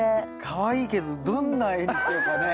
かわいいけどどんな絵にしようかね。